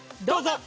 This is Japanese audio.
どうぞ！